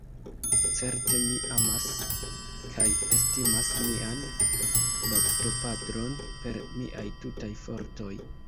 Certe mi amas kaj estimas mian baptopatron per miaj tutaj fortoj.